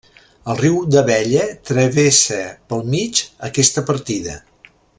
El riu d'Abella travessa pel mig aquesta partida.